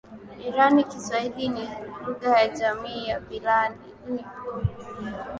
irani Kiswahili ni Lugha ya Jamii ya Vizalia